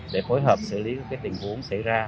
để phối hợp xử lý các tình huống xảy ra